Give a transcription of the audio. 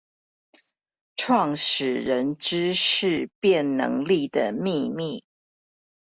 創始人知識變能力的祕密